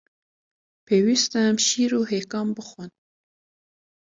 Pêwîst e em şîr û hêkan bixwin.